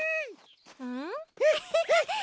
うん？